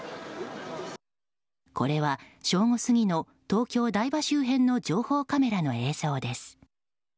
これは正午過ぎの東京・台場周辺の情報カメラの映像です。